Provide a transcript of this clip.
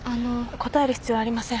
答える必要ありません。